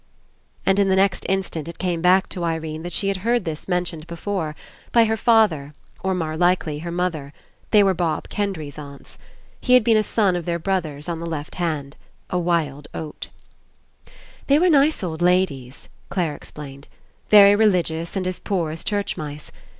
And in the next instant it came back to Irene that she had heard this mentioned before; by her father, or, more likely, her mother. They were Bob Kendry's aunts. He had been a son of their brother's, on the left hand. A wild oat. 38 ENCOUNTER *'They were nice old ladies," Clare ex plained, "very religious and as poor as church mice.